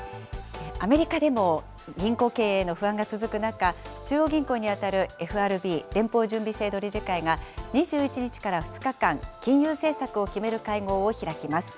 アメリカでも銀行経営の不安が続く中、中央銀行に当たるＦＲＢ・連邦準備制度理事会が２１日から２日間、金融政策を決める会合を開きます。